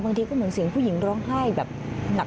ก็เหมือนเสียงผู้หญิงร้องไห้แบบหนัก